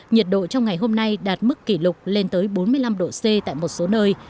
nhiệt độ trong ngày hôm nay đạt mức kỷ lục lên tới bốn mươi năm độ c tại một số nơi